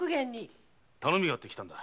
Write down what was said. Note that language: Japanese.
頼みがあってきたんだ。